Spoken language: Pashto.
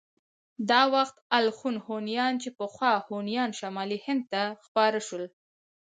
دا وخت الخون هونيان چې پخوا هونيان شمالي هند ته خپاره شول.